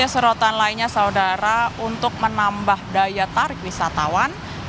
serotan lainnya saudara untuk menambah daya tarik wisatawan